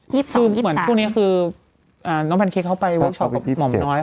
คือเหมือนคู่นี้คือน้องแพนเค้กเขาไปเวิร์คชอปกับหม่อมน้อย